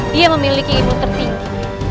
dia memiliki imun tertinggi